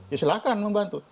ya silakan membantu